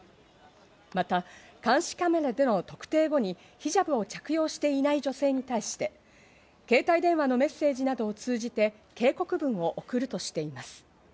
また監視カメラでの特定後にヒジャブを着用していない女性に対して、携帯電話のメッセージなどを通じて警告文を送るとしています。